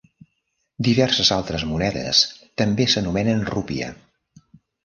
Diverses altres monedes també s'anomenen rupia.